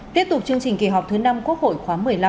tiếp tục chương trình kỳ họp thứ năm quốc hội khóa một mươi năm